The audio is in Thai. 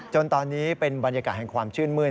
จนตอนนี้เป็นบรรยากาศแห่งความชื่นมื้น